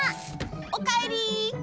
おかえり！